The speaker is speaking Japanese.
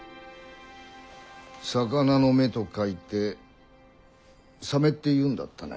「魚の目」と書いて「魚目」って言うんだったね。